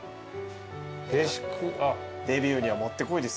デビューにはもってこいですよ。